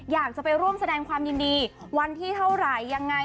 อยากจะไปร่วมแสดงความยินดีวันที่เท่าไหร่ยังไง